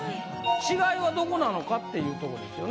・違いはどこなのかっていうとこですよね。